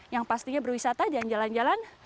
yang pastinya berwisata jangan jalan jalan